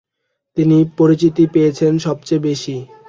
তিনি পরিচিতি পেয়েছেন সবচেয়ে বেশি।